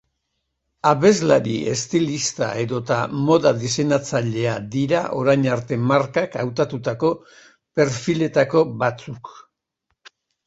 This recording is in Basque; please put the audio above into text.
Abeslari, estilista edota moda diseinatzailea dira orain arte markak hautatutako perfiletako batzuk.